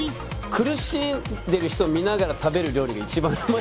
苦しんでる人を見ながら食べる料理が一番うまい。